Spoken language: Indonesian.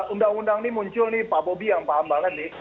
undang undang ini muncul nih pak bobi yang paham banget nih